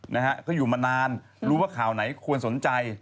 นะฮะเขาอยู่มานานรู้ว่าข่าวไหนควรสนใจ